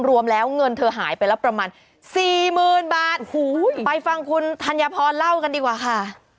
รวมแล้วเงินเธอหายไปแล้วประมาณสี่หมื่นบาทโอ้โหไปฟังคุณธัญพรเล่ากันดีกว่าค่ะ